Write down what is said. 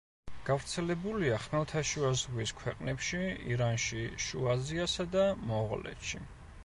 გავრცელებულია ხმელთაშუა ზღვის ქვეყნებში, ირანში, შუა აზიასა და მონღოლეთში.